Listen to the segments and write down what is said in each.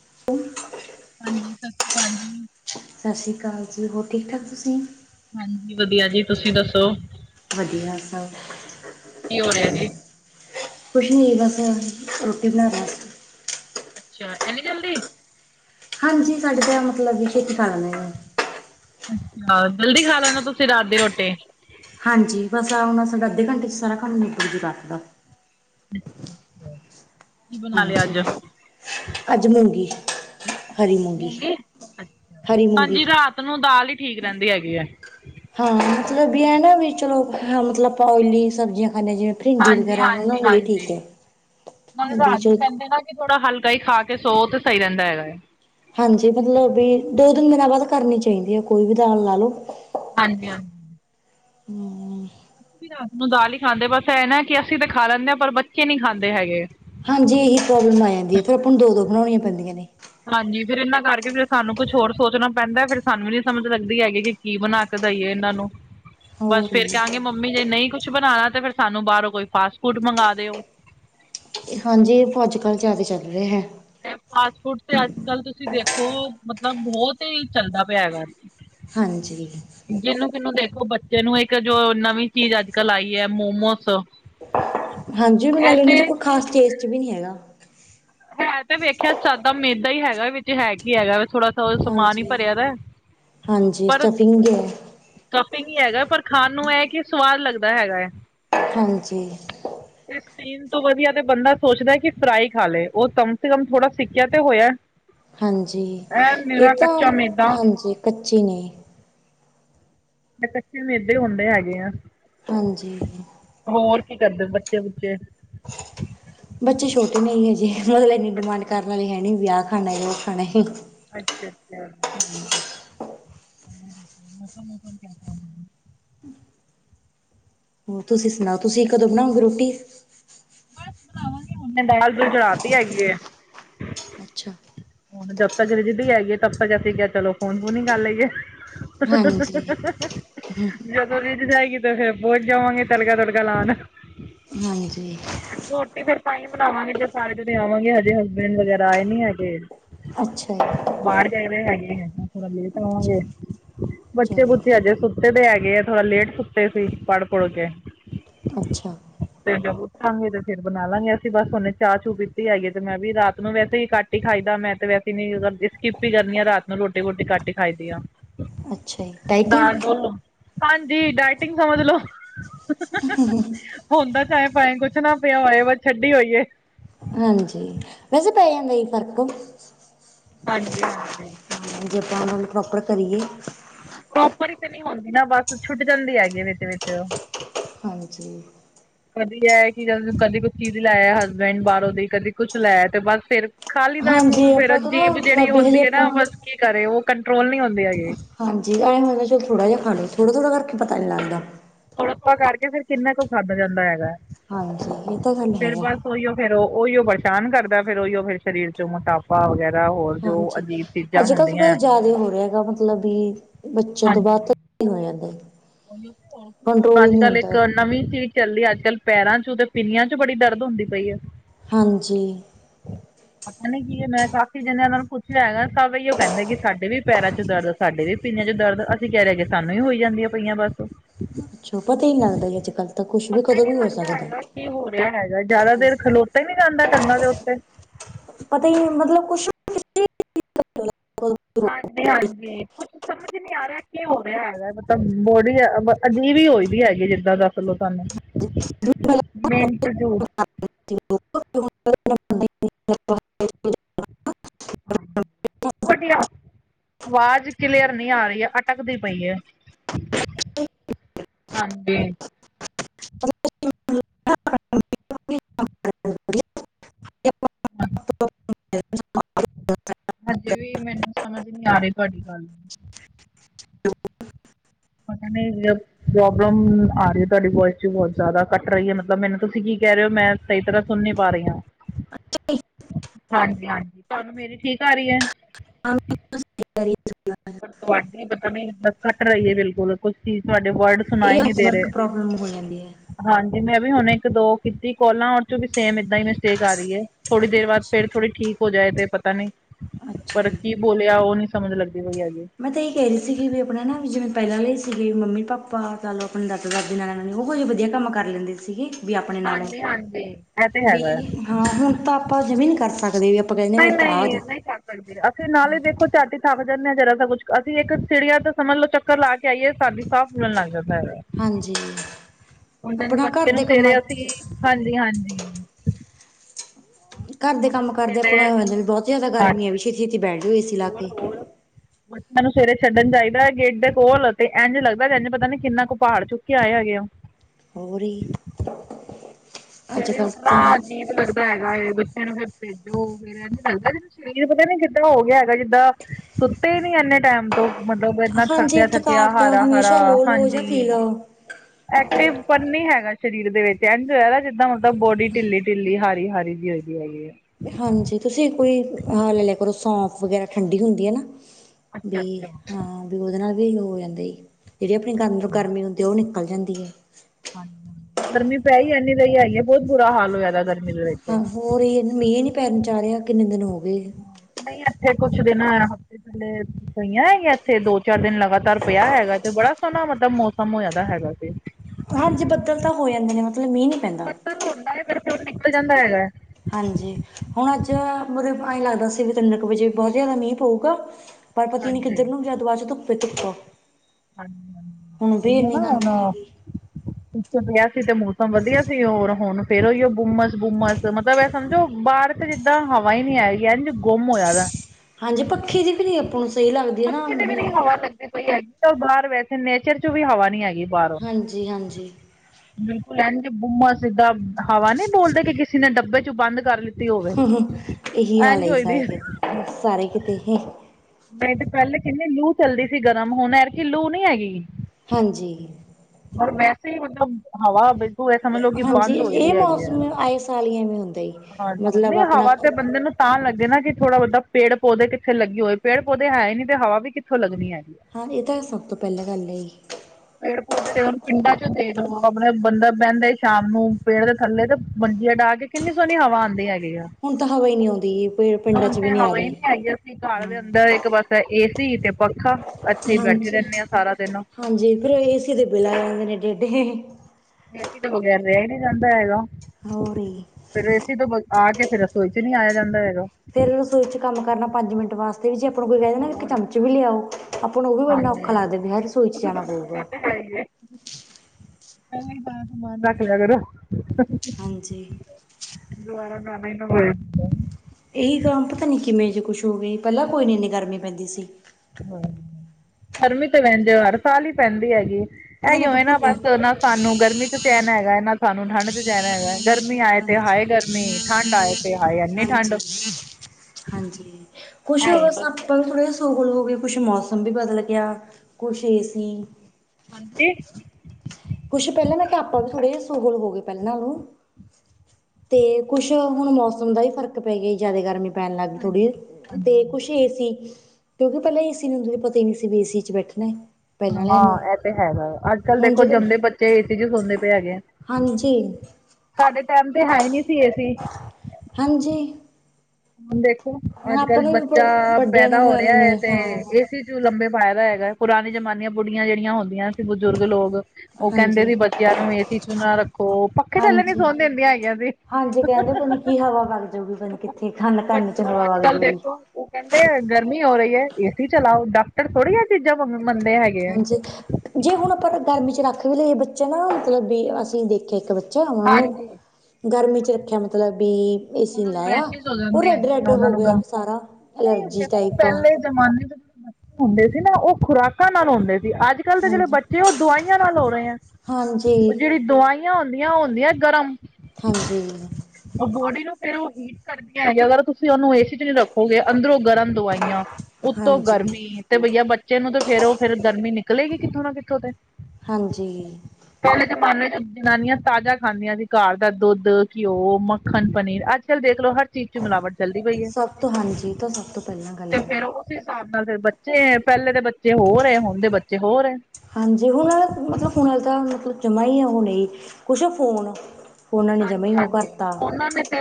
[unintelligible] ਹਾੰਜੀ, ਸਸਰੀ ਕਾਲ ਜੀ ਸਸਰੀ ਕਾਲ ਜੀ ਹੋਰ ਠੀਕ-ਠਾਕ ਤੁਸੀਂ ਹਾਂਜੀ ਵਦੀਆ ਜੀ ਤੁਸੀਂ ਦੱਸੋ ਵਦੀਆ ਸਭ ਕੀ ਹੋ ਰਿਹਾ ਜੀ ਕੁਛ ਨੀ ਬਸ ਰੋਟੀ ਬਨਾ ਰਹੀ ਸੀ ਅੱਛਾ, ਇਹਨੀ ਜਲਦੀ। ਹਾਂਜੀ, ਸਾਡੇ ਤਾਂ ਮਤਲਬ ਛੇਤੀ ਖਾ ਲੈਨੇ ਆ। ਅੱਛਾ, ਜਲਦੀ ਖਾ ਲੈਣਾ ਤੁਸੀਂ ਰਾਤ ਦੀ ਰੋਟੀ। ਹਾਂਜੀ, ਬਸ ਆ ਹੁਣ ਸਾਡਾ ਅੱਧੇ ਘੰਟੇ ਚ ਸਾਰਾ ਕੰਮ ਨਿਬੜ ਜੂ ਰਾਤ ਦਾ। ਅੱਛਾ। ਹਾਂਜੀ, ਅੱਜ ਮੂੰਗੀ। ਹਰੀ ਮੂੰਗੀ -ਹਰੀ ਮੂੰਗੀ। ਤੈਨੂੰ ਦਾਲ ਹੀ ਠੀਕ ਰਹਿੰਦੀ ਹੈਗੀ ਏ। ਹਾਂ ਮਤਲਬ ਵੀ ਐ ਨਾ ਵੀ ਚੱਲੋ ਹਾਂ ਮਤਲਬ ਆਪਾਂ ਓਇਲੀ ਸਬਜ਼ੀਆਂ ਖਾਨੇ ਆ ਜਿਵੇਂ। ਭਿੰਡੀ ਹਾਂਜੀ ਵਗੈਰਾ ਨਾਲੋਂ ਨਾ ਹਾਂਜੀ ਊ ਇਹ ਹਾਂਜੀ ਠੀਕ ਹੈ। ਬੀਚੋ ਦੀ ਥੋੜਾ ਹਲਕਾ ਹੀ ਖਾ ਕੇ ਸੋ ਤੇ ਸਹੀ ਰਹਿੰਦਾ ਹੈਗਾ ਏ। ਹਾਂਜੀ, ਮਤਲਬ ਵੀ ਦੋ ਤਿੰਨ ਦਿਨਾਂ ਬਾਅਦ ਕਰਨੀ ਚਾਹੀਦੀ ਹੈ ਕੋਈ ਦਾਲ ਨਾਲੋਂ ਹਾਂਜੀ -ਹਾਂਜੀ! ਹਮ। ਅਸੀਂ ਰਾਤ ਨੂੰ ਦਾਲ ਹੀ ਖਾਂਦੇ, ਬਸ ਇਹ ਨਾ ਕਿ ਅਸੀਂ ਤਾਂ ਖਾ ਲੈਂਦੇ ਹਾਂ, ਪਰ ਬੱਚੇ ਨਹੀਂ ਖਾਂਦੇ ਹੈਗੇ। ਹਾਂਜੀ ਇਹੀ ਪ੍ਰੋਬਲਮ ਆ ਜਾਂਦੀ ਹੈ, ਫਿਰ ਆਪਾਂ ਨੂੰ ਦੋ -ਦੋ ਬਣਾਉਣੀਆਂ ਪੈਂਦੀਆਂ ਨੇ। ਹਾਂਜੀ ਫੇਰ ਇਹਨਾਂ ਕਰਕੇ ਫਿਰ ਸਾਨੂੰ ਕੁਛ ਹੋਰ ਸੋਚਣਾ ਪੈਂਦਾ, ਫਿਰ ਸਾਨੂੰ ਵੀ ਨੀ ਸਮਝ ਲੱਗਦੀ ਹੈਗੀ ਕਿ ਕੀ ਬਣਾ ਕੇ ਦਈਏ ਇਹਨਾਂ ਨੂੰ। ਬਸ ਹੋਰ ਹੀ ਫੇਰ ਕਹਾਂਗੇ ਮੰਮੀ ਜੇ ਨਹੀਂ ਕੁਛ ਬਣਾਉਣਾ ਤੇ ਫਿਰ ਸਾਨੂੰ ਬਾਹਰੋਂ ਕੋਈ ਫਾਸਟ ਫੂਡ ਮੰਗਵਾ ਦਿਓ। ਹਾਂਜੀ ਵੋਹ ਅੱਜ ਕੱਲ੍ਹ ਜ਼ਿਆਦੇ ਚੱਲ ਰਿਹਾ ਹੈਂ। ਫਾਸਟ ਫੂਡ ਤੇ ਅੱਜ ਕੱਲ ਤੁਸੀਂ ਦੇਖੋ ਮਤਲਬ ਬਹੁਤ ਹੀ ਚੱਲਦਾ ਪਿਆ ਹੈਗਾ। ਹਾਂਜੀ। ਜਿਹਨੂੰ ਕਿਹਨੂੰ ਦੇਖੋ ਬੱਚੇ ਨੂੰ ਇੱਕ ਜੋ ਨਵੀਂ ਚੀਜ਼ ਅੱਜ ਕੱਲ੍ਹ ਆਈ ਹੈ ਮੋਮੋਸ। ਹਾਂਜੀ, ਮੈਨੂੰ ਇਹ ਲੱਗਦਾ ਇਹਨਾਂ ਤੇ ਚ ਕੋਈ ਟੇਸਟ ਨੀ ਹੈਗਾ। ਹੈ ਤੇ ਵੇਖਿਆ ਸਾਦਾ ਮੇਦਾਂ ਹੀ ਹੈਗਾ ਵਿੱਚ ਹੈ ਕੀ ਹੈਗਾ ਥੋੜਾ ਸਮਾਨ ਹੀ ਹਾਂਜੀ ਭਰਿਆ ਦਾ ਹਾਂਜੀ ਪਰ ਸਟਫਿੰਗ ਹੈ ਸਟੈਫਿੰਗ ਹੀ ਹੈਗਾ, ਪਰ ਖਾਣ ਨੂੰ ਇਹ ਕਿ ਸਵਾਦ ਲੱਗਦਾ ਹੈਗਾ ਹੈ। ਹਾਂਜੀ। ਇਹ ਸਟੀਮ ਤੋਂ ਵਧੀਆ ਤੇ ਬੰਦਾ ਸੋਚਦਾ ਕਿ ਫਰਾਈ ਖਾ ਲਏ। ਉਹ ਕਮ ਸੇ ਕਮ ਥੋੜਾ ਸਿੱਕਿਆ ਤੇ ਹੋਇਆ। ਹਾਂਜੀ, ਐ ਮੇਰਾ ਇਹ ਤਾਂ ਕੱਚਾ ਮੇਦਾ ਹਾਂਜੀ ਕੱਚੇ ਨੇ। ਇਹ ਕੱਚੇ ਮੇਦੇ ਹੁੰਦੇ ਹੈਗੇ ਆ। ਹਾਂਜੀ। ਹੋਰ ਕੀ ਕਰਦੇ ਬੱਚੇ -ਬੁੱਚੇ? ਬੱਚੇ ਛੋਟੇ ਨੇ ਹਜੇ, ਮਤਲਬ ਇੰਨੀ ਡਿਮਾਂਡ ਅੱਛਾ ਕਰਨ ਵਾਲੀ ਹੈ ਨਹੀਂ ਵੀ ਆ ਖਾਣਾ ਉਹ। ਖਾਣਾ ਹੀ। ਅੱਛਾ -ਅੱਛਾ! [inaudible] ਹੋਰ ਤੁਸੀਂ ਸੁਣਾਓ ਤੁਸੀਂ ਕਦੋਂ ਬਣਾਓਗੇ ਰੋਟੀ? ਬਣਾਵਾਂਗੇ, ਹੁਣ ਦਾਲ- ਦੁਲ ਚੜਾਤੀ ਹੈਗੀ ਏ। ਅੱਛਾ। ਜਦ ਤੱਕ ਰਿਝਦੀ ਹੈਗੀ, ਤਬ ਤੱਕ ਅਸੀਂ ਕਿਹਾ ਚਲੋ ਫੋਨ- ਫੂਨ ਹੀ ਕਰ ਲਈਏ। ਹ -ਹ -ਹ ਹਾਂਜੀ -ਹ -ਹ -ਜ। ਰਿਜ ਜਾਏਗੀ ਤੇ ਫਿਰ ਪਹੁੰਚ ਜਾਵਾਂਗੇ ਤੜਕਾ -ਤੁੜਕਾ ਲਾਣ। ਹਾਂਜੀ। ਰੋਟੀ ਫੇਰ ਤਾਂਈ ਬਣਾਵਾਂਗੇ ਜ ਸਾਰੇ ਜਨੇ ਆਵਾਂਗੇ ਹਜੇ ਹਸਬੈਂਡ ਵਗੈਰਾ ਆਏ ਨੀ ਹੈਗੇ। ਅੱਛਾ। ਬਾਹਰ ਗਏ ਵੇ ਹੈਗੇ ਐ ਥੋੜਾ ਲੇਟ ਅੱਛਾ ਆਣਗੇ ਬੱਚੇ ਚਲੋ ਬੁੱਚੇ ਹਜੇ ਸੁ ਤੇ ਦੇ ਹੈਗੇ ਆ, ਥੋੜਾ ਲੇਟ ਸੁੱਤੇ ਸੀ ਪੜ੍ਹ ਪੁੜ ਕੇ। ਅੱਛਾ। ਤੇ ਜਦ ਉੱਠਾਂਗੇ ਤੇ ਫੇਰ ਬਣਾ ਲਾਂਗੇ, ਅਸੀਂ ਬਸ ਉਹਨੇ ਚਾਹ ਚੂ ਪੀਤੀ ਹੈਗੀ ਹੈ। ਤੇ ਮੈਂ ਵੀ ਰਾਤ ਨੂੰ ਵੈਸੇ ਹੀ ਇਕੱਟ ਰੋਟੀ ਖਾਈਦਾ। ਮੈਂ ਤੇ ਵੈਸੇ ਨੀ ਕਰਦੀ ਸਕਿੱਪ ਹੀ ਕਰਨੀ ਆ ਰਾਤ ਨੂੰ ਰੋਟੀ ਵੋਟੀ ਕੱਟ ਹੀ ਖਾਈ ਦੀ ਆ। ਅੱਛਾ ਜੀ ਡਾਇਟਿੰਗ [unintelligible] ਹਾਂਜੀ ਡਾਇਟਿੰਗ ਸਮਝ ਲੋੋ। ਹਮ, ਹਮ। ਹੁੰਦਾ ਚਾਹਏ ਪਾਏ ਕੁੱਛ ਨਾ ਪਿਆ ਹੋਏ ਬਸ ਛੱਡੀ ਹੋਈਏ। ਹਾਂਜੀ ਵੈਸੇ ਪੈ ਜਾਂਦਾ ਇ ਫ਼ਰਕ ਤੋਂ। ਹਾਂਜੀ-ਹਾਂਜੀ। ਜੇ [unintelligible] ਪ੍ਰੋਪਰ ਕਰੀਏ। ਪ੍ਰੋਪਰ ਹੀ ਤੇ ਨਹੀਂ ਹੁੰਦੀ ਨਾ ਬਸ ਛੁੱਟ ਜਾਂਦੀ ਹੈਗੀ ਵਿੱਚ-ਵਿੱਚ। ਹਾਂਜੀ। ਕਦੀ ਹੈ ਕਿਦ ਕਦੇ ਕੁਛ ਚੀਜ਼ ਲੈਆ ਹਸਬੈਂਡ ਬਾਹਰੋਂ ਦੀ ਕਦੀ ਕੁੱਛ ਲਾਇਆ ਤੇ ਬਸ ਫੇਰ ਖਾਲੀ ਦਾ ਮੂੰਹ ਹਾਂਜੀ ਫਿਰ ਅ ਆਪਾਂ ਤਾਂ ਜੀਬ ਨਾ ਜਿਹੜੀ ਵੀ ਹਜੇ ਹੁੰਦੀ ਹੈ ਨਾ ਆਪਾਂ ਬਸ ਕੀ ਕਰੇ ਉਹ ਕੰਟਰੋਲ ਨਹੀਂ ਹੁੰਦੀ ਹੈਗੀ। ਹਾਂਜੀ ਆਏ ਨੂੰ ਥੋੜ੍ਹਾ ਜਿਹਾ ਖਾ ਲਓ ਥੋੜਾ-ਥੋੜਾ ਕਰਕੇ ਪਤਾ ਨਹੀਂ ਲੱਗਦਾ। ਥੋੜਾ-ਥੋੜਾ ਕਰਕੇ ਫੇਰ ਕਿੰਨਾ ਕੁ ਖਾਧਾ ਜਾਂਦਾ ਹੈਗਾ ਏ। ਹਾਂਜੀ ਇਹ ਤਾਂ ਗੱਲ ਹੈ। ਫ਼ਿਰਰ ਉਹੀਓ ਪਰੇਸ਼ਾਨ ਕਰਦਾ ਫੇਰ ਉਹੀਓ ਫੇਰ ਸਰੀਰ ਚੋਂ ਮੁਤਾ ਪਾ ਵਗੈਰਾ ਹੋਰ ਜੋ ਹਾਂਜੀ ਅਜੀਬ ਚੀਜ਼ਾਂ ਅੱਜ ਕੱਲ੍ਹ ਥੋੜਾ ਹੁੰਦੀਆਂ ਜਿਆਦਾ ਹੀ ਹੋ ਰਿਹਾ ਹੈਗਾ। ਮਤਲਬ ਵੀ ਬੱਚਿਆਂ ਤੋਂ ਹਾਂਜੀ ਬਾਅਦ ਹੋ ਜਾਂਦਾ। ਕੰਟਰੋਲ ਹੀ ਅੱਜ ਨਹੀਂ ਕੱਲ ਇੱਕ ਹੁੰਦਾ ਹੁਣ ਨਵੀਂ ਚੀਜ਼ ਚਲੀ ਅੱਜ ਕੱਲ ਪੈਰਾਂ ਚ, ਤੇ ਪੀਲੀਆਂ ਚ ਬੜੀ ਦਰਦ ਹੁੰਦੀ ਪਈ ਹੈ। ਹਾਂਜੀ। [inaudible] ਪਤਾ ਨੀ ਕਿ ਮੈਂ ਕਾਫੀ ਜਨੇ ਉਹਨਾਂ ਨੂੰ ਪੁੱਛਿਆ ਹੈਗਾ, ਸਭ ਉਹ ਕਹਿੰਦੇ ਕਿ ਸਾਡੇ ਵੀ ਪੈਰਾਂ ਚ ਦਰਦ ਸਾਡੇ ਵੀ ਪੀਲੀਆਂ ਚ ਦਰਦ। ਅਸੀਂ ਕਹਿ ਰਹੇ ਕਿ ਸਾਨੂੰ ਹੀ ਹੋਈ ਜਾਂਦੀਆਂ ਪਈਆਂ ਬਸ। ਅੱਛਾ ਪਤਾ ਹੀ ਨਹੀਂ ਲੱਗਦਾ ਜੀ ਅੱਜ ਕੱਲ੍ਹ ਤਾਂ ਕੁਛ ਵੀ ਪਤਾ ਕਦੋਂ ਨਹੀਂ ਵੀ ਹੋ ਲੱਗਦਾ ਸਕਦਾ ਹੈਗਾ, ਕੀ ਹੋ ਰਿਹਾ ਹੈਗਾ ਜਿਆਦਾ ਦੇਰ ਹਾਂਜੀ ਖਲੋ ਨੀ ਜਾਂਦਾ ਟੰਗਾਂ ਦੇ ਉੱਤੇ। ਪਤਾ ਹੀ ਨਹੀਂ ਮਤਲਬ ਕੁਛ ਹਾਂਜੀ-ਹਾਂਜੀ। ਸਮਝ ਨ ਆ ਰਿਹਾ ਕੀ ਹੋ ਰਿਹਾ ਹੈਗਾ, ਮਤਲਬ ਬੋਡੀ ਅਜੀਬ ਹੀ ਹੋਈ ਵੀ ਹੈਗੀ ਜਿੱਦਾਂ ਦੱਸ ਲੋੋ ਤੁਹਾਨੂੰ ਮਿੰਟ ਚੋ [unintelligible] [unintelligible] [unintelligible] ਆਵਾਜ਼ ਕਲੀਅਰ ਨਹੀਂ ਆ ਰਹੀ ਹੈ, ਅਟਕਦੀ ਪਈ ਹੈ। ਹਾਂਜੀ। [unintelligible] [unintelligible] ਹਜੇ ਵੀ ਮੈਨੂੰ ਸਮਝ ਨੀ ਆ ਰਹੀ ਤੁਹਾਡੀ ਗੱਲ। ਪੱਤਾ ਨੀ ਜੀ ਓਹ ਪ੍ਰੋਬਲਮ ਆ ਰਹੀ ਹੈ ਤੁਹਾਡੀ ਵੋਇਸ ਚ ਬਹੋਤ ਜ਼ਿਆਦਾ ਕੱਟ ਰਹੀ ਹੈ ਮਤਲਬ ਮੈਨੂੰ ਤੁਸੀਂ ਕੀ ਕਹਿ ਰਹੇ ਹੋ ਮੈਂ ਸਹੀ ਤਰਾਂ ਸੁਣ ਨੀ ਪਾ ਰਹੀ ਆ, ਹਾਂਜੀ- ਹਾਂਜੀ ਤੁਹਾਨੂੰ ਮੇਰੀ ਠੀਕ ਆ ਰਹੀ ਹੈ। [unintelligible] ਪਰ ਤੁਹਾਡੀ ਪਤਾ ਨਹੀਂ ਕੱਟ ਰਹੀ ਹੈ ਬਿਲਕੁਲ ਕੁਛ ਚੀਜ਼ ਤੁਹਾਡੇ ਵਰਡ ਇਹ ਸੁਣਾਈ ਨਹੀਂ ਦੇ ਰਹੇ ਨੈਟਵਰਕ ਪ੍ਰੋਬਲਮ ਹੋ ਜਾਂਦੀ ਹੈ। ਹਾਂਜੀ ਮੈਂ ਵੀ ਹੁਣ ਇੱਕ- ਦੋ ਕੀਤੀ ਕੋਲਾਂ ਚੋ ਵੀ ਸੇਮ ਇੱਦਾਂ ਹੀ ਮਿਸਟੇਕ ਆ ਰਹੀ ਹੈ, ਥੋੜੀ ਦੇਰ ਬਾਅਦ ਫੇਰ ਥੋੜੀ ਠੀਕ ਹੋ ਜਾਏ ਤੇ ਪਤਾ ਨੀ ਅੱਛਾ ਪਰ ਜੀ ਕੀ ਬੋਲਿਆ ਉਹ ਨੀ ਸਮਝ ਲੱਗਦੀ ਪਈ ਹੈਗੀ। ਮੈਂ ਤਾਂ ਇਹੀ ਕਹਿ ਰਹੀ ਸੀਗੀ ਵੀ ਆਪਣਾ ਨਾ ਵੀ ਜਿਵੇਂ ਪਹਿਲਾਂ ਲਈ ਸੀਗੀ ਮੰਮੀ ਪਾਪਾ ਯਾ ਲਓ ਆਪਣੇ ਦਾਦਾ ਦਾਦੀ, ਨਾੜ- ਨਾਨੀ ਉਹ ਹੀ ਵਧੀਆ ਕੰਮ ਕਰ ਲੈਂਦੇ ਸੀਗੀ ਵੀ ਆਪਣੇ ਨਾਲੋਂ, ਹਾਂਜੀ ਹਾਂਜੀ ਇਹ ਤਾਂ ਬੀ। ਹੈਗਾ ਹੈ। ਹਾਂ ਹੁਣ ਤਾਂ ਆਪਾਂ ਜਵਾ ਹੀ ਨੀ ਕਰ ਸਕਦੇ ਵੀ ਆਪਾਂ ਕਹਿੰਦੇ ਨਹੀਂ ਮੇਰੇ ਤਾਂ ਆ ਜੀ ਨਹੀਂ ਨਹੀਂ ਥੱਕ ਸਕਦੇ ਅਸੀਂ ਨਾਲ ਹੀ ਦੇਖੋ ਝੱਟ ਹੀ ਥੱਕ ਜਾਂਦੇ ਹਾਂ ਜ਼ਰਾ ਤਾਂ ਕੁੱਛ ਅਸੀਂ ਜੇਕਰ ਸੀੜੀਆਂ ਤੋਂ ਸਮਝ ਲੋ ਚ ਚੱਕਰ ਲਾ ਕੇ ਆਈਏ ਤਦ ਹੀ ਸਾਹ ਫੁੱਲਣ ਲੱਗ ਜਾਂਦਾ ਹੈਗਾ। ਹਾਂਜੀ ਹੁਨ ਜਿਵੇਂ ਆਪਣਾ ਘਰ ਬੱਚੇ ਨੂੰ ਦੇ ਕੰਮਾਂ ਸਵੇਰੇ ਅਸੀਂ 'ਚ ਹਾਂਜੀ- ਹਾਂਜੀ। ਘਰ ਦੇ ਹੁਣ ਕੰਮ ਅਸੀਂ ਕਰਦੇ ਤਾਂ ਸਵੇਰੇ ਆਪਾਂ ਨੂੰ ਬਹੋਤ ਜ਼ਿਆਦਾ ਹਾਂਜੀ ਗਰਮੀ ਆ ਵੀ ਛੇਤੀ- ਛੇਤੀ ਬੈਠ ਜਾਓ ਐ ਸੀ ਲਾ ਕੇ। [unintelligible] ਮੈਨੂੰ ਸਵੇਰੇ ਛੱਡਣ ਚਾਹੀਦਾ ਹੈ ਗੇਟ ਦੇ ਕੋਲ ਇੰਝ ਲੱਗਦਾ ਇੰਝ ਪਤਾ ਨੀ ਕਿੰਨਾ ਕੁ ਪਹਾੜ ਚੁੱਕ ਕੇ ਆਏ ਹੈਗੇ ਆ। ਹੋਰੀ ਸਵੇਰੇ ਉੱਠਣਾ ਅਜੀਬ ਲੱਗਦਾ ਹੈਗਾ ਐ ਬੱਚਿਆਂ ਨੂੰ ਫੇਰ ਭੇਜੋ ਫੇਰ ਇੰਜ ਲੱਗਦਾ ਜਿਵੇਂ - ਸਰੀਰ ਪਤਾ ਨੀ ਕਿੱਦਾਂ ਹੋ ਗਿਆ ਹੈਗਾ ਜਿੱਦਾਂ ਸੁੱਤੇ ਹੀ ਨੀ ਇੰਨੇ ਟਾਈਮ ਤੋਂ। ਮਤਲਬ ਇਨਾ ਹਾਂਜੀ ਥੱਕਿਆ- ਥੱਕਿਆ ਥਕਾਵਟ ਹਾਰਾ- ਹਾਰਾ ਹਮੇਸ਼ਾ ਲੋ ਲੋ ਜਾਂ ਹਾਂਨਜੀ। ਫੀਲ ਐਕਟਿਵਪਨ ਨੀ ਹੈਗਾ ਸਰੀਰ ਦੇ ਵਿੱਚ ਐਂਜ ਹੋਇਆ ਜਿੱਦਾਂ ਮਤਲਬ ਬੋਡੀ ਢਿੱਲੀ- ਢਿੱਲੀ ਹਾਰੀ- ਹਾਰੀ ਜੀ ਹੋਈ। ਕੀ ਹੈਗੇ ਐ, ਹਾਂਜੀ ਤੁਸੀਂ ਕੋਈ ਹ ਲੈ ਲਿਆ ਕਰੋ ਸੌਂਫ ਵਗੈਰਾ ਠੰਢੀ ਹੁੰਦੀ ਐ ਨਾ। ਵੀ ਅੱਛਾ ਅੱਛਾ ਹਾਂ ਵੀ ਉਹਦੇ ਨਾਲ ਵੀ ਹੋ ਜਾਂਦੇ ਜਿਹੜੀ ਆਪਣੀ ਕਮ ਕਰਨੇ ਹੁੰਦੇ ਵੀ ਨੀ। ਪੈ ਜਾਂਦੀ ਏ। ਹਾਂਜੀ ਗਰਮੀ ਪੈਈ ਏਨੀ ਰਹੀ ਆ ਬੋਤ ਬੁਰਾ ਹਾਲ ਹੋਇਆ ਪਿਆ ਗਰਮੀ ਦੇ ਵਿੱਚ। ਹਾਂ ਹੋਰ ਇਹ ਮਹੀਂ ਹੀ ਨਹੀ [unintelligible] ਨਹੀਂ ਇੱਥੇ ਕੁਛ ਦਿਨ ਏ- ਸਾਡੇ ਪਈਆਂ ਹੈਗੀਆਂ ਇੱਥੇ ਦੋ- ਚਾਰ ਦਿਨ ਲਗਾਤਾਰ ਪਿਆ ਹੈਗਾ ਤੇ ਬੜਾ ਸੋਹਣਾ ਮਤਲਬ ਮੌਸਮ ਹੋਇਆ ਦਾ ਹੈਗਾ ਸੀ। [inaudible] ਹਾਂਜੀ ਬੱਦਲ ਤਾਂ ਹੋ ਜਾਂਦੇ ਨੇ ਮਤਲਬ ਮੀਂਹ ਨੀ ਪੈਂਦਾ। [unintelligible] ਫੇਰ ਪੈਂਟ ਨਿਕਲ ਜਾਂਦਾ ਹੈਗਾ ਏ ਆ। ਹਾਂਜੀ ਹੁਣ ਅੱਜ ਮਤਲਬ ਐਂ ਲੱਗਦਾ ਸੀ ਤਿੰਨ ਕੁ ਵਜੇ ਬੋਹਤ ਜਿਆਦਾ ਮੀਂਹ ਪਊਗਾ। ਪਰ ਪਤੀ ਨੀ ਹਾਂਜੀ ਕਿੱਧਰ ਨੂੰ ਗਿਆ ਓਦੂ ਬਾਅਦ ਚ ਧੁੱਪੇ ਚਕੋ। [unintelligible] ਹੈਗੀ। ਪਿੱਛੇ ਗਿਆ ਸੀ ਤੇ ਮੌਸਮ ਵਧੀਆ ਸੀਗਾ ਹੋਰ ਹੁਣ ਫੇਰ ਉਹੀ ਉਹ ਬੁੰਮਸ- ਬੁੰਮਸ ਮਤਲਬ ਇਹ ਸਮਝੋ ਬਾਹਰ ਜਿੱਦਾਂ ਹਵਾ ਹੀ ਨੀ ਆਈ ਇਂਝ ਗੁੰਮ ਹੋਇਆ ਵਾ। ਹਾਂਜੀ ਪੱਖੇ ਦੀ ਵੀ ਨ ਆਪਾਂ ਨੂੰ ਸਹੀ ਲੱਗਦੀ ਹੈ ਨਾ, ਆ ਈ ਹੈਗੀ ਤਾਂ ਬਾਹਰ ਵੈਸੇ ਨੇਚਰ ਚੋਂ ਵੀ ਹਵਾ ਨੀ ਹੈਗੀ। ਬਾਹਰੋਂ ਹਾਂਜੀ- ਹਾਂਜੀ। ਬਿਲਕੁਲ ਇਂਝ ਬੂਮਸ ਸਿੱਧਾ ਹਵਾ ਨੀ ਬੋਲਦੇ ਕਿ ਕਿਸੇ ਨੇ ਡੱਬੇ ਚੋਂ ਬੰਦ ਕਰ ਲ ਉਹੂ ਇਹੀ ਹਾਲ ਹੈ ਜੀ ਸਾਰੇ- ਸਾਰੇ ਕਿਤੇ। ਨਈ ਤੇ ਪਹਿਲ ਕਿੰਨੀ ਲੂ ਚੱਲਦੀ ਸੀ ਗਰਮ ਹੁਣ ਐਤ ਕੀ ਲੂ ਨੀ ਹੈਗੀ। ਹਾਂਜੀ। ਪਰ ਵੈਸੇ ਹੀ ਮਤਲਬ ਹਵਾ ਬੀ ਨੂੰ ਏ ਸਮਝ ਲੋ ਕਿ ਹਾਂਜੀ ਬੰਦ ਹੋਈ ਦੀ ਇਹ ਹੈਗੀ ਹੈ ਮੌਸਮ ਆਏ ਸਾਲ ਹੀ ਐਵੇਂ ਹੁੰਦਾ ਈ ਹਾਂ ਮਤਲਬ ਨਹੀਂ ਆਪਣਾ ਹਵਾ ਤੇ ਬੰਦੇ ਨੂੰ ਤਾਂ ਲੱਗੇ ਨਾ ਕਿ ਥੋੜਾ ਬਹੁਤਾ ਪੇੜ ਪੌਦੇ ਕਿੱਥੇ ਲੱਗੇ ਹੋਏ, ਪੇੜ ਪੌਦੇ ਹੈ ਨੀ ਤੇ ਹਵਾ ਵੀ ਕਿੱਥੋਂ ਲੱਗਣੀ ਹੈਗੀ? ਹੈ ਹਾਂ ਇਹ ਤਾਂ ਸਭ ਤੋਂ ਪਹਿਲਾਂ ਗੱਲ ਏ। ਪੇੜ ਪੌਦੇ ਤੇ ਉਹਨੂੰ ਪਿੰਡਾਂ ਚ ਦੇਖਲੋ, ਆਪਣੇ ਬੰਦਾ ਬਹਿੰਦਾ ਸ਼ਾਮ ਨੂੰ ਪੇੜ ਦੇ ਥੱਲੇ ਤੇ ਮੰਜੀਆਂ ਡਾਹ ਕੇ ਕਿੰਨੀ ਸੋਹਣੀ ਹਵਾ ਆਉਂਦੀ ਹੈਗੀ ਆ। ਹੁਣ ਤਾਂ ਹਵਾ ਹੀ ਨਹੀਂ ਆਉਂਦੀ ਪਿੰਡਾਂ ਹੁਣ ਚ ਤੇ ਵੀ ਨਹੀਂ ਆ ਹਵਾ ਨੀ ਰਹੀ। ਹੈਗੀ ਅਸੀ ਘਰ ਦੇ ਅੰਦਰ ਇੱਕ ਬੱਸ ਤੇ ਏ ਸੀ ਤੇ ਪੱਖਾ ਇੱਥੇ ਹੀ ਬੈਠੀ ਰਹਿ ਹਾਂਜੀ ਨੇ ਆ ਸਾਰਾ ਦਿਨ। ਹਾਂਜੀ, ਫਿਰ ਉਹ ਏ ਸੀ ਦੇ ਬਿੱਲ ਆ ਜਾਂਦੇ ਨੇ ਐਡੇ- ਐਡੇ। ਏ ਸੀ ਤੋਂ ਬਗੈਰ ਰਿਹਾ ਹੀ ਨੀ ਜਾਂਦਾ ਹੈਗਾ। ਹੋਰ ਜੀ। ਫਿਰ ਏ ਸੀ ਤੋਂ ਆ ਕੇ ਫਿਰ ਰਸੋਈ ਚ ਨੀ ਆਇਆ ਜਾਂਦਾ ਹੈਗਾ। ਫਿਰ ਰਸੋਈ ਚ ਕੰਮ ਕਰਨਾ ਪੰਜ ਮਿੰਟ ਵਾਸ ਵੀ ਜੇ ਆਪਾਂ ਕੋਈ ਕਹਿ ਦੇ ਨਾ ਇੱਕ ਹੋਰ ਚਮਚ ਵੀ ਲਿਆਓ, ਆਪਾਂ ਨੂੰ ਉਹ ਵੀ ਇੰਨਾ ਹਾਂਜੀ ਔਖਾ ਲੱਗਦਾ ਹਾਂਜੀ ਵੀ ਰਸੋਈ 'ਚ ਜਾਣਾ ਪਊਗਾ। ਪਹਿਲੇ ਜਾਂ ਤੇ ਮਨ ਰੱਖ ਲਿਆ ਕਰੋ। ਹਾਂਜੀ। ਦੁਬਾਰਾ ਕੰਮ ਹੀ ਨਾ ਹੋਏ। ਇਹੀ ਕੰਮ ਪਤਾ ਨਿੱਕੀ ਮੇਰੀ ਖੁਸ਼ ਹੋ ਗਈ, ਪਹਿਲਾਂ ਕੋਈ ਨਹੀਂ ਇੰਨੀ ਗਰਮੀ ਪੈਂਦੀ ਸੀ। ਹੂ, ਗਰਮੀ ਤੇ ਕਹਿੰਦੇ ਹੋ ਹਰ ਸਾਲ ਹੀ ਪੈਂਦੀ ਹੈਗੀ। ਪਤਾ ਨੀ ਇਹੀ ਆਪਾਂ ਓਏ ਨਾ ਭੁੱਲ ਬੱਸ ਨਾ ਸਾਨੂੰ ਗਰਮੀ ਚ ਚੈਣ ਹੈਗਾ, ਨਾ ਸਾਨੂੰ ਠੰਢ ਚ ਚੈਨ ਹੈਗਾ ਏ। ਗਰਮੀ ਆਏ ਤੇ ਹਾਂਜੀ ਹਾਏ ਗਰਮੀ, ਠੰਡ ਆਏ ਤੇ ਹਾਏ ਐਨੀ ਠੰਡ। ਹਾਂਜੀ। ਹਾਂਜੀ, ਕੁਛ ਓ ਹੀ ਵਾਸਤਾ ਬਸ। ਆਪਾਂ ਵੀ ਥੋੜੇ ਜੇ ਸੋਹਲ ਹੋ ਗਏ, ਕੁਛ ਮੌਸਮ ਵੀ ਬਦਲ ਗਿਆ, ਕੁਛ ਏ ਸੀ ਹਾਂਜੀ! ਕੁਛ ਪਹਿਲਾਂ ਮੈਂ ਕਿਹਾ ਆਪਾਂ ਵੀ ਥੋੜੇ ਸੋਹਲ ਹੋ ਗਏ ਪਹਿਲਾਂ ਨੂੰ ਤੇ ਕੁੱਛ ਹੁਣ ਮੌਸਮ ਦਾ ਹੀ ਫ਼ਰਕ ਪੈ ਗਿਆ ਜਿਆਦਾ ਗਰਮੀ। ਪੈਣ ਲੱਗ ਗਈ ਥੋੜੀ ਤੇ ਕੁੱਛ ਏ ਸੀ ਕਿਉਂਕਿ ਪਹਿਲਾਂ ਏ ਸੀ ਨੀ ਪਤਾ ਹੀ ਨੀ ਸੀ ਵੀ ਏ ਸੀ 'ਚ ਬੈਠਣਾ। ਪਹਿਲਾਂ ਵਾਲਿਆਂ ਨੂੰ ਹਾਂ ਐ ਤੇ ਹੈਗਾ, ਅੱਜ -ਕੱਲ ਹੁਣ ਦੇਖੋ ਜਦੋਂ ਜੰਮਦੇ ਬੱਚੇ ਏ ਸੀ ਚ ਸੌਦੇ ਪਏ ਹੈਗੇ ਆ। ਹਾਂਜੀ। ਸਾਡੇ ਟਾਈਮ ਤੇ ਹੈ ਹੀ ਨਹੀਂ ਸੀ ਏ ਸੀ। ਹਾਂਜੀ। ਹੁਣ ਦੇਖੋ ਹੁਣ ਅੱਜ- ਆਪਾਂ ਕੱਲ ਨੂੰ ਬੱਚਾ, ਵੀ ਵੱਡਿਆਂ ਪੈਦਾ ਨੂੰ ਹੋ ਹੋਇਆ ਰਿਹਾ ਨੂੰ ਹੈ ਮਿਲੇ ਤੇ ਹਾਂ ਏ ਲੰਬੇ ਪਾਏ ਦਾ ਹੈਗਾ ਏ, ਪੁਰਾਣੀ ਜਮਾਨੇ ਬੁੜੀਆਂ ਜਿਹੜੀਆਂ ਹੁੰਦੀਆਂ ਸੀ, ਬਜ਼ੁਰਗ ਲੋਕ ਉਹ ਕਹਿੰਦੇ ਹਾਂਜੀ ਸੀ ਬੱਚਿਆਂ ਨੂੰ ਏ ਸੀ 'ਚ ਨਾ ਰੱਖੋ, ਪੱਖੇ ਥੱਲੇ ਨੀ ਹਾਂਜੀ ਸੋਣ ਦਿੰਦੀਆਂ ਹੈਗੀਆਂ ਸੀ। ਹਾਂਜੀ ਕਹਿੰਦੇ ਪਤਾ ਕੀ ਹਵਾ ਵੱਗ ਜਾਊਗੀ, ਪਤਾ ਕਿੱਥੇ ਖੰਨ ਬਟ ਕੰਨ ਚ ਹਵਾ ਔਰ ਅੱਜ ਵੱਗ ਕੱਲ੍ਹ ਜੂਗੀ। ਦੇਖੋ ਉਹ ਕਹਿੰਦੇ ਗਰਮੀ ਹੋ ਰਹੀ ਏ, ਏ ਸੀ ਚਲਾਓ, ਡਾਕਟਰ ਥੋੜੀ ਐ ਚੀਜ਼ਾਂ ਮੰਨਦੇ ਹੈਗੇ। ਆ ਹਾਂਜੀ, ਜੇ ਹੁਣ ਆਪਾਂ ਗਰਮੀ ਚ ਰੱਖ ਵੀ ਲਈਏ ਬੱਚਾ ਨਾ ਹੁਣ ਤੇ ਬੀ ਅਸੀਂ ਦੇਖੇ ਇੱਕ ਬੱ ਚਾ ਹੁਣ ਓਨੂੰ ਹਾਂਜੀ ਗਰਮੀ ਚ ਰੱਖਿਆ ਮਤਲਬ ਬੀ ਏ ਸੀ ਨੀ ਉਹਨਾਂ ਨੂੰ ਲਾਇਆ, ਰੈਸ਼ਿਸ ਹੋ ਓ ਜਾਂਦੇ ਰੈਡ -ਰੈਡ ਹੈਗੇ ਉਹਨਾਂ ਹੋ ਨੂੰ ਗਿਆ ਗਮ ਸਾਰਾ, ਅਲਰਜੀ ਟਾਈਪ। ਜ਼ਮਾਨੇ ਚ ਬੱਚੇ ਹੁੰਦੇ ਸੀ ਨਾ, ਉਹ ਖੁਰਾਕਾਂ ਨਾਲ ਹੁੰਦੇ ਸੀ। ਅੱਜ ਕੱਲ ਦੇ ਜਿਹੜੇ ਹਾਂਜੀ ਬੱਚੇ ਆ, ਉਹ ਦਵਾਈਆਂ ਨਾਲ ਹੋ ਰਹੇ ਆ, ਉਹ ਹਾਂਜੀ ਜਿਹੜੀ ਦਵਾਈ ਹੁੰਦੀਆਂ- ਹੁੰਦੀਆਂ ਗਰਮ। ਹਾਂਜੀ। ਬੋਡੀ ਨੂੰ ਫੇਰ ਉਹ ਹੀਟ ਕਰਦੀਆਂ ਹੈ ਅਗਰ, ਤੁਸੀਂ ਉਹਨੂੰ ਏ ਸੀ ਚ ਨੀ ਰੱਖੋਗੇ, ਅੰਦਰੋਂ ਗਰਮ ਦਵਾਈਆਂ ਉੱਤੋਂ ਹਾਂਜੀ ਗਰਮੀ ਤੇ ਬਈਆ ਬੱਚੇ ਨੂੰ ਤੇ ਫਿਰ ਓ ਫਿਰ ਗਰਮੀ ਨਿਕਲੇਗੀ ਕਿੱਥੋਂ ਨਾ ਕਿੱਥੋਂ ਤੇ ਹਾਂਜੀ ਪੈਲੇ ਜ਼ਮਾਨੇ ਵਿੱਚ ਜਨਾਨੀਆਂ ਤਾਜ਼ਾ ਖਾਂਦੀਆਂ ਸੀ ਘਰ ਦਾ ਦੁੱਧ ਘਿਓ ਮੱਖਣ ਪਨੀਰ ਅੱਜ ਕੱਲ ਦੇਖਲੋ ਹਰ ਚੀਜ਼ 'ਚ ਮਿਲਾਵਟ ਚੱਲਦੀ ਪਈ ਹੈ ਸਭ ਤੋਂ ਹਾਂਜੀ ਤਾਂ ਸਭ ਪੈਲਾਂ ਗੱਲ ਤੇ ਕਰਨੀ। ਫੇਰ ਉਸ ਹਿਸਾਬ ਨਾਲ ਬੱਚੇ ਐ‌ ਪੈਲੇ ਦੇ ਬੱਚੇ ਹੋਰ ਏ ਹੁਣ ਦੇ ਬੱਚੇ ਹੋਰ ਏ। ਹਾਂਜੀ ਹੁਣ ਮਤਲਬ ਹੁਣ ਵਾਲੇ ਤਾਂ ਮਤਲਬ ਜਮਾ ਈ ਆ ਓ ਨਈ ਕੁਛ ਫੋਨ ਫੋਨਾਂ ਨੇ ਜਮਾ ਓ ਕਰਤਾ।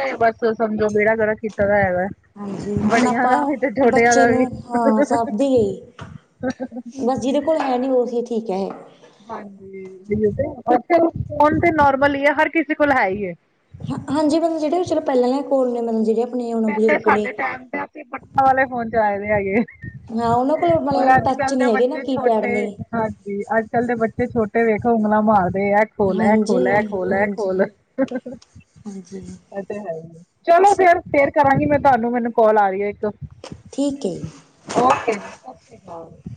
ਐ ਬਸ ਸਮਝੋ ਵਿਹੜਾ ਗਰਕ ਕੀਤਾ ਦਾ ਹੈਗਾ। ਹਾਂਜੀ ਹੁਣ ਬੜਿਆਂ ਆਪਾਂ ਦਾ ਵੀ ਤੇ ਛੋਟਿਆਂ ਬੱਚੇ ਦਾ ਨੂੰ ਵੀ ਹਾਂ ਸਭਦੀ ਬਸ ਜਿਦੇ ਕੋਲ ਹੈ ਨਈ ਉਹੀ ਠੀਕ ਹੈ। ਹਾਂਜੀ ਫੋਨ ਤੇ ਨੋਰਮਲ ਈ ਹੈ ਹਰ ਕਿਸੇ ਕੋਲ ਹੈ ਈ ਐ। ਹਾਂਜੀ ਮਤਲਬ ਜੇੜੇ ਚਲ ਪੈਲਾਂ ਜਾਂ ਕੋਲ ਨੇ ਮਲਬ ਜੇੜੇ ਆਪਣੇ ਬਜ਼ੁਰਗ ਨੇ ਪੜਨ ਵਾਲੇ ਫੋਨ ਚਲਾਏ ਹੋਏ ਹੈਗੇ ਐ ਹਾਂ ਉਹਨਾਂ ਕੋਲ ਔਰ ਮਤਲਬ ਅੱਜ ਟੱਚ ਕੱਲ ਦੇ ਨਹੀਂ ਹੈਗੇ ਨਾ ਬੱਚੇ ਕੀਪੈਡ ਛੋਟੇ ਨੇ ਹਾਂਜੀ ਅੱਜ ਕੱਲ ਦੇ ਬੱਚੇ ਛੋਟੇ ਵੇਖੋ ਉਂਗਲਾਂ ਮਾਰਦੇ ਐ। ਖੋਲ ਐ ਖੋਲ ਹਾਂਜੀ ਐ ਖੋਲ ਐ ਹਾਂਜੀ ਖੋਲ ਹਾਂਜੀ ਅੱਛ ਓ ਤੇ ਹੈ ਈ ਐ ਚਲੋ ਫਿਰ ਫੇਰ ਕਰਾਂਗੀ ਮੈਂ ਤੁਹਾਨੂੰ ਮੈਨੂੰ ਕਾਲ ਆ ਰਈ ਏ ਇੱਕ ਠੀਕ ਏ। ਓਕੇ ਜੀ ਸਤਿ ਸ਼੍ਰੀ ਅਕਾਲ ਜੀ।